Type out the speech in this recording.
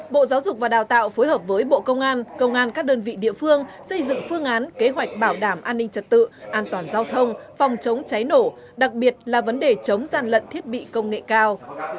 bộ giáo dục và đào tạo phối hợp với bộ công an công an các đơn vị địa phương xây dựng phương án kế hoạch bảo đảm an ninh trật tự an toàn giao thông phòng chống cháy nổ đặc biệt là vấn đề chống gian lận thiết bị công nghệ cao